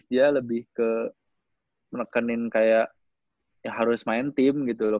dia lebih ke menekenin kayak harus main tim gitu loh